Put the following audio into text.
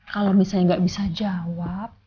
kalau misalnya nggak bisa jawab